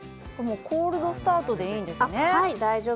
コールドスタートでいいんですね。